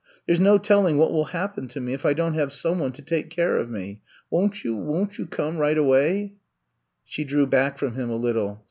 There 's no telling what will happen to me if I don't have some one to take care of me. Won't you, won't you come right awayt" She drew back from him a little.